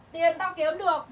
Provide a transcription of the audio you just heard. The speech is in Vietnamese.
tiền tao kiếm được